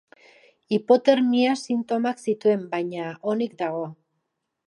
Hipotermia sintomak zituen baina, onik dago.